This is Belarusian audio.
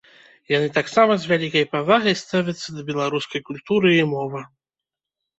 Яны таксама з вялікай павагай ставяцца да беларускай культуры і мовы.